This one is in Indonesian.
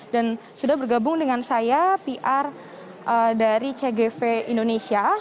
dan sudah bergabung dengan saya pr dari cgv indonesia